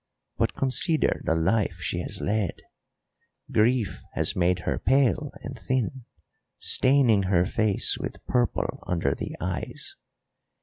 But consider the life she has led! Grief has made her pale and thin, staining her face with purple under the eyes.